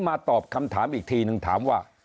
ตอบคำถามอีกทีนึงถามว่า